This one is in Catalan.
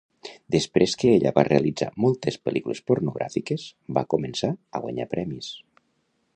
Després que ella va realitzar moltes pel·lícules pornogràfiques va començar a guanyar premis.